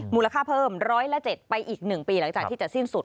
มูลค่าเพิ่มร้อยละ๗ไปอีก๑ปีหลังจากที่จะสิ้นสุด